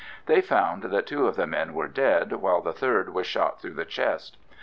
They found that two of the men were dead, while the third was shot through the chest.